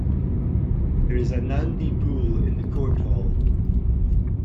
There is a Nandi bull in the court hall.